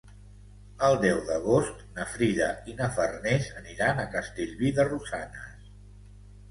El deu d'agost na Frida i na Farners aniran a Castellví de Rosanes.